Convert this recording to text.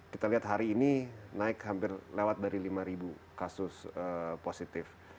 kita lihat hari ini naik hampir lewat dari lima kasus positif